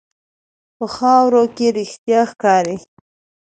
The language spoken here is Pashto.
په خاوره کې رښتیا ښکاري.